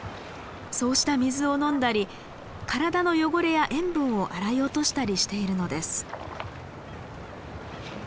そうした水を飲んだり体の汚れや塩分を洗い落としたりしているのです。